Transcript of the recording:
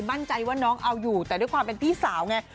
มั่นใจว่าน้องเอาอยู่แต่ด้วยความเป็นพี่สาวไง